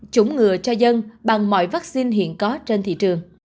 chủng ngừa cho dân bằng mọi vaccine hiện có trên thị trường